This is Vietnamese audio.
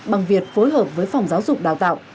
bằng việc phối hợp với phòng giáo dục đào tạo